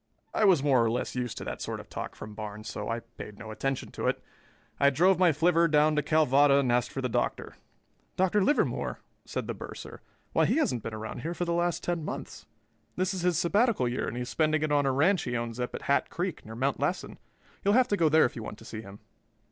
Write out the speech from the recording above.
I was more or less used to that sort of talk from Barnes so I paid no attention to it. I drove my flivver down to Calvada and asked for the Doctor. "Dr. Livermore?" said the bursar. "Why, he hasn't been around here for the last ten months. This is his sabbatical year and he is spending it on a ranch he owns up at Hat Creek, near Mount Lassen. You'll have to go there if you want to see him."